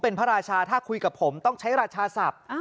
เป็นพระราชาถ้าคุยกับผมต้องใช้ราชาศัพท์